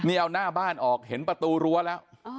นี่เอาหน้าบ้านออกเห็นประตูรั้วแล้ว